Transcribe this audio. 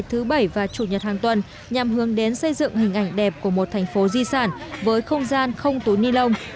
hội an đã hướng đến xây dựng hình ảnh đẹp của một thành phố di sản với không gian không túi ni lông